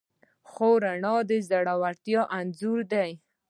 خو رڼا د زړورتیا انځور دی.